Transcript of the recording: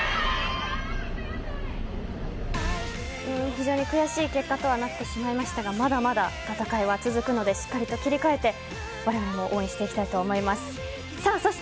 非常に悔しい結果となってしまいましたがまだまだ戦いは続くのでしっかりと切り替えてわれわれも応援していきたいと思います。